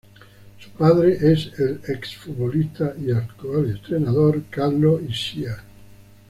Su padre es el ex- futbolista y actual entrenador Carlos Ischia.